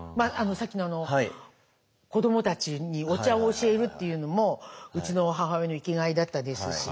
さっきの子どもたちにお茶を教えるっていうのもうちの母親の生きがいだったですし。